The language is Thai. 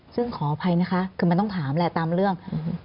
ซึ่งขออภัยนะคะคือมันต้องถามแหละตามเรื่อง